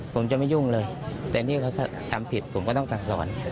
ผมจะไม่ยุ่งเลยแต่นี่เขาทำผิดผมก็ต้องสั่งสอน